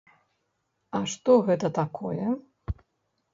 А што гэта такое?